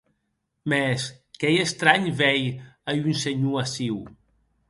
Mès qu’ei estranh veir a un senhor aciu.